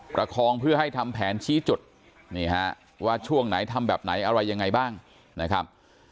ประคองเพื่อให้ทำแผนชี้จุดนี่ฮะว่าช่วงไหนทำแบบไหนอะไรยังไงบ้างนะครับ